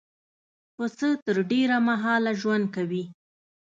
پسه تر ډېره مهاله ژوند کوي.